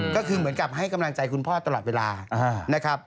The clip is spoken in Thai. ก็คือเหมือนกับให้กำลังใจคุณพ่อตลอดเวลานะครับ